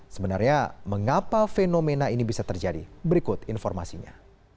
sebenarnya mengapa fenomena ini bisa terjadi berikut informasinya